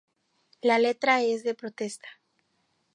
La letra es de protesta.